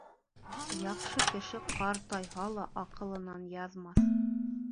Яҡшы кеше ҡартайһа ла, аҡылынан яҙмаҫ